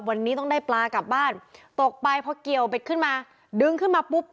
วันนี้ต้องได้ปลากลับบ้านตกไปพอเกี่ยวเบ็ดขึ้นมาดึงขึ้นมาปุ๊บ